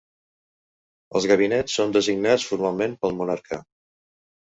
Els gabinets són designats formalment pel Monarca.